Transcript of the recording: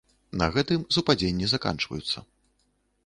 На гэтым супадзенні заканчваюцца.